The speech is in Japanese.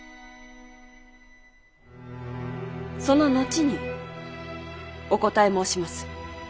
その後にお答え申します。